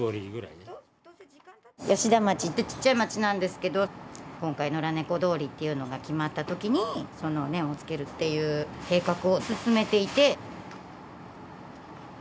吉田町ってちっちゃい町なんですけど今回ノラねこ通りというのが決まった時にそのネオンをつけるっていう計画を進めていて。